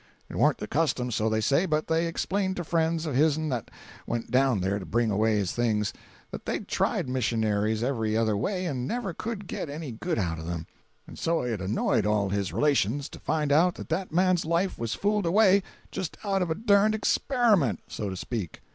It warn't the custom, so they say, but they explained to friends of his'n that went down there to bring away his things, that they'd tried missionaries every other way and never could get any good out of 'em—and so it annoyed all his relations to find out that that man's life was fooled away just out of a dern'd experiment, so to speak.